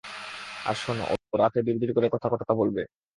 আর শোন, ও রাতে বিড়বিড় করে কথাটথা বলবে।